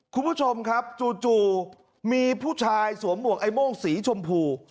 คุณผู้ชมครับจู่มีผู้ชายสวมหมวกไอ้โม่งสีชมพู